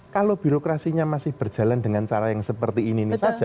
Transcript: kalau birokrasinya masih berjalan dengan cara yang seperti ini ini saja